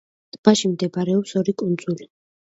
ტბაში მდებარეობს ორი კუნძული.